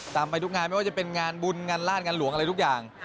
ไปทุกงานไม่ว่าจะเป็นงานบุญงานราชงานหลวงอะไรทุกอย่าง